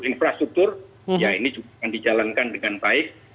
infrastruktur ya ini juga akan dijalankan dengan baik